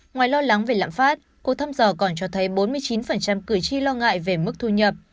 ngoài lo lắng về lạm phát cuộc thăm dò còn cho thấy bốn mươi chín cử tri lo ngại về mức thu nhập